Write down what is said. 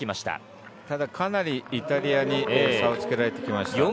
ただ、かなりイタリアに差をつけられてきました。